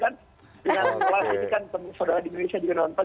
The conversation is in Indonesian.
dengan kelas ini kan saudara di indonesia juga nonton